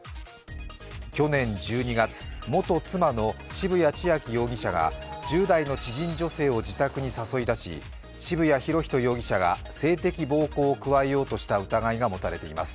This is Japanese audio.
去年１２月、元妻の渋谷千秋容疑者が１０代の知人女性を自宅に誘い出し渋谷博仁容疑者が性的暴行を加えようとした疑いが持たれています。